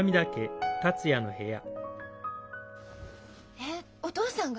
えっお父さんが？